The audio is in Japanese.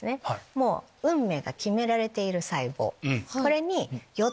もう運命が決められている。